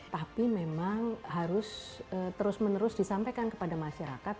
tapi memang harus terus menerus disampaikan kepada masyarakat